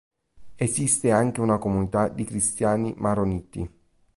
Esiste anche una comunità di cristiani maroniti.